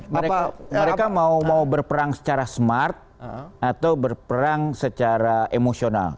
mereka mau berperang secara smart atau berperang secara emosional